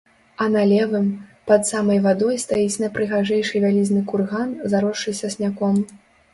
А на левым, пад самай вадой стаіць найпрыгажэйшы вялізны курган, заросшы сасняком.